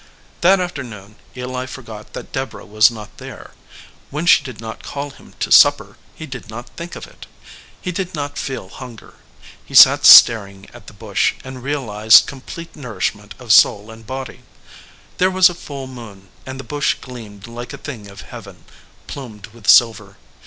That afternoon Eli forgot that Deborah was not there. When she did not call him to supper, he did not think of it. He did not feel hunger. He sat staring at the bush, and realized complete nourishment of soul and body. There was a full moon, and the bush gleamed like a thing of Heaven plumed with silver.